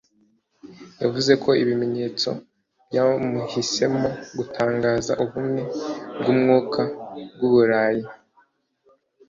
yavuze ko ibimenyetso byamuhisemo gutangaza ubumwe bw'umwuka bw'Uburayi